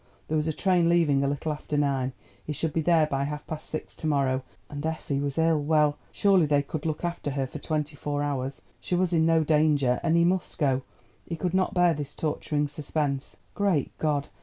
There was a train leaving a little after nine—he should be there by half past six to morrow. And Effie was ill—well, surely they could look after her for twenty four hours; she was in no danger, and he must go—he could not bear this torturing suspense. Great God!